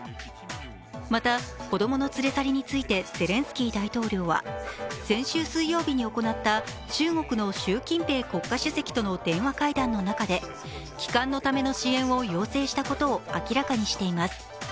また子供の連れ去りについてゼレンスキー大統領は先週水曜日に行った中国の習近平国家主席との電話会談の中で、帰還のための支援を要請したことを明らかにしています。